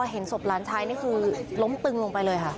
เห็นศพหลานชายนี่คือล้มตึงลงไปเลยค่ะ